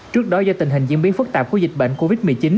trước đó do tình hình diễn biến phức tạp của dịch bệnh covid một mươi chín